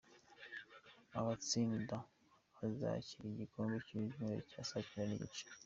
Azatsinda azakinira igikombe ku cyumweru saa cyenda n’igice.